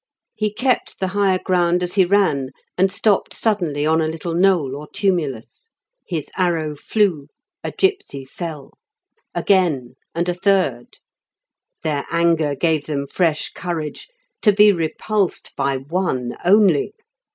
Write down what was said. He kept the higher ground as he ran, and stopped suddenly on a little knoll or tumulus. His arrow flew, a gipsy fell. Again, and a third. Their anger gave them fresh courage; to be repulsed by one only!